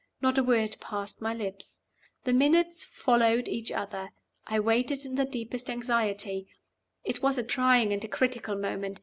Not a word passed my lips. The minutes followed each other. I waited in the deepest anxiety. It was a trying and a critical moment.